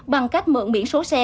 bằng cách mượn miễn số xe